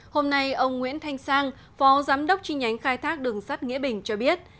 hôm nay ông nguyễn thanh sang phó giám đốc chi nhánh khai thác đường sắt nghĩa bình cho biết